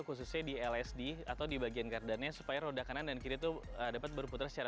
khususnya di lsd atau di bagian gardannya supaya roda kanan dan kiri itu dapat berputar secara